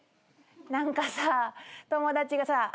何かさ友達がさ。